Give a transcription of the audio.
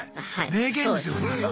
名言ですよフーガさん。